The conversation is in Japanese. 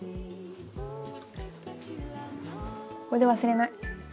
これで忘れない。